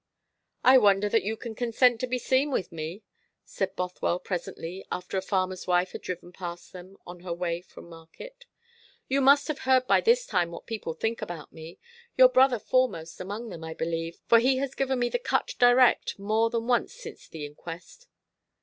"I wonder that you can consent to be seen with me," said Bothwell presently, after a farmer's wife had driven past them on her way from market. "You must have heard by this time what people think about me your brother foremost among them, I believe, for he has given me the cut direct more than once since the inquest."